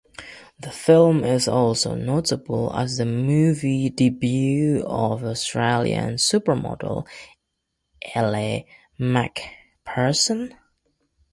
The film is also notable as the movie debut of Australian supermodel Elle Macpherson.